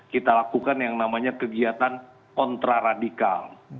kita lakukan yang namanya kegiatan kontra radikal